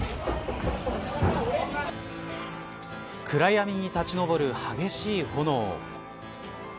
暗闇に立ち昇る激しい炎。